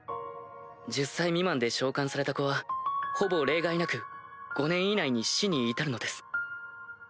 １０歳未満で召喚された子はほぼ例外なく５年以内に死に至るのです。